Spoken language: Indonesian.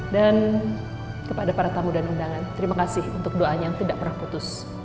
dan kepada para tamu dan undangan terima kasih untuk doanya yang tidak pernah putus